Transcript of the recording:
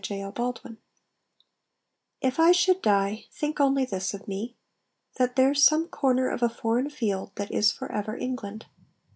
THE SOLDIER If I should die, think only this of me: That there's some corner of a foreign field That is for ever England.